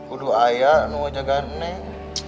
udah ayah ngejagain neng